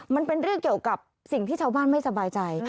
มันเป็นเรื่องเกี่ยวกับสิ่งที่ชาวบ้านไม่สบายใจ